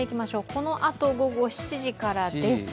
このあと午後７時からです。